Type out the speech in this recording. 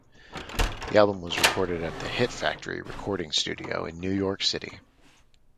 The album was recorded at the Hit Factory recording studio in New York City.